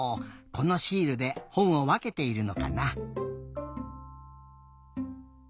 このシールでほんをわけているのかな？